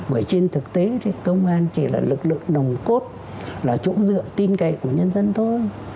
bởi trên thực tế thì công an chỉ là lực lượng nồng cốt là chỗ dựa tin cậy của nhân dân thôi